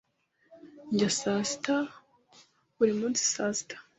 Ndya saa sita buri munsi saa sita.